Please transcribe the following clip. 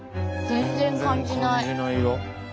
全然感じないよ。